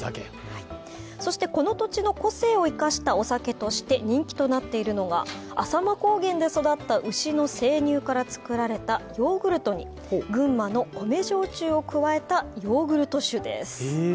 そして、この土地の個性を生かしたお酒として人気となっているのが、浅間高原で育った牛の生乳から作られたヨーグルト、群馬の米焼酎を加えたヨーグルト酒です。